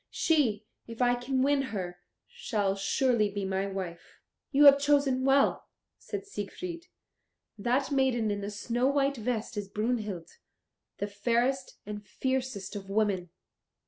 She, if I can win her, shall surely be my wife." "You have chosen well," said Siegfried; "that maiden in the snow white vest is Brunhild, the fairest and fiercest of women."